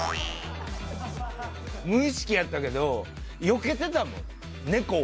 無意識やったけど、よけてたもん、猫を。